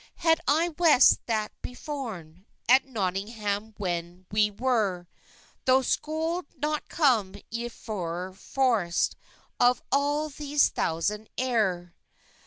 ] "Had I west that beforen, At Notynggam when we wer, Thow scholde not com yn feyr forest Of all thes thowsande eyr."